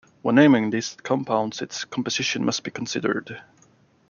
When naming these compounds, its composition must be considered.